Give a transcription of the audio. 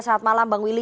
selamat malam bang willy